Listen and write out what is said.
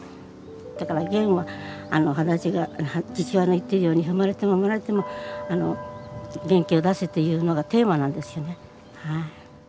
だからゲンは父親の言ってるように「ふまれてもふまれても元気を出せ」というのがテーマなんですよね。